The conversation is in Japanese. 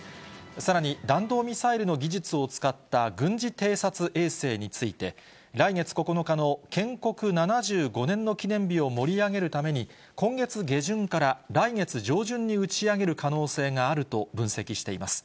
さらに弾道ミサイルの技術を使った軍事偵察衛星について、来月９日の建国７５年の記念日を盛り上げるために、今月下旬から来月上旬に打ち上げる可能性があると分析しています。